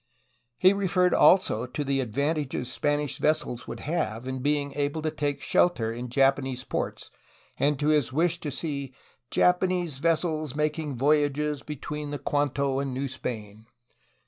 He referred also to the advantages Spanish vessels would have in being able to take shelter in Japanese ports and to his wish to see ''Japanese vessels making voyages between the Kwanto and New Spain.''